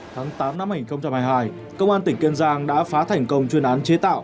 tháng tám năm hai nghìn hai mươi hai công an tỉnh kiên giang đã phá thành công chuyên án chế tạo